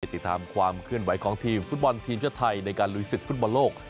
ติดตามความเคลื่อนไหวของทีมฟุตบอลทีมชาติไทยในการลุยศึกฟุตบอลโลก